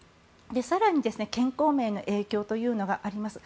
更に健康面への影響というのがあります。